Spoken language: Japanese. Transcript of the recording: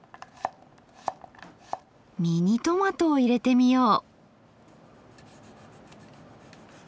ミニトマトを入れてみよう。